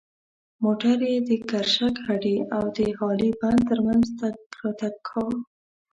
موټر یې د کرشک هډې او د هالې بند تر منځ تګ راتګ کاوه.